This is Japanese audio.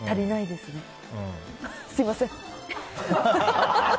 すみません。